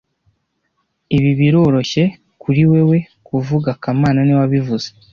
Ibi biroroshye kuri wewe kuvuga kamana niwe wabivuze